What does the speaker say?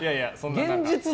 現実で？